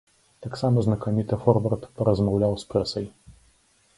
Таксама знакаміты форвард паразмаўляў з прэсай.